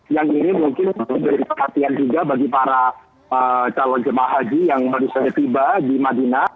yang ini mungkin menjadi perhatian juga bagi para calon jemaah haji yang baru saja tiba di madinah